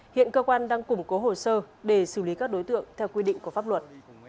hiện cơ quan đang củng cố hồ sơ để xử lý các đối tượng theo quy định của pháp luật